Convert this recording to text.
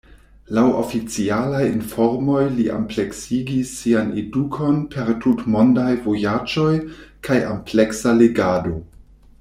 Laŭ oficialaj informoj li ampleksigis sian edukon per tutmondaj vojaĝoj kaj ampleksa legado.